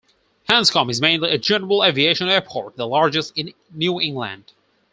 Hanscom is mainly a general aviation airport, the largest in New England.